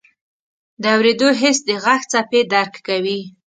د اورېدو حس د غږ څپې درک کوي.